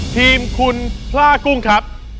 ทีมคุณพล่ากุ้งครับ